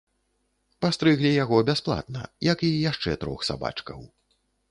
Пастрыглі яго бясплатна, як і яшчэ трох сабачкаў.